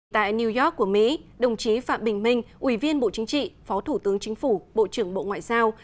tại new york của mỹ đồng chí phạm bình minh ủy viên bộ chính trị phó thủ tướng chính phủ bộ trưởng bộ ngoại giao